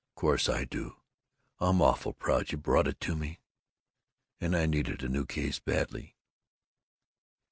Of course I do! I'm awful proud you brought it to me. And I needed a new case badly."